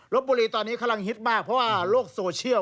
บุรีตอนนี้กำลังฮิตมากเพราะว่าโลกโซเชียล